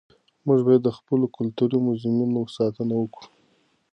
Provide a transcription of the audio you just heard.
موږ باید د خپلو کلتوري موزیمونو ساتنه وکړو.